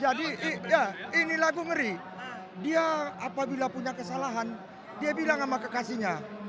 jadi ini lagu ngeri dia apabila punya kesalahan dia bilang sama kekasihnya